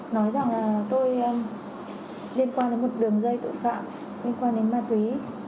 nói rằng là tôi liên quan đến một đường dây tội phạm liên quan đến ma túy